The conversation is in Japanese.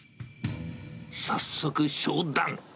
早速、商談。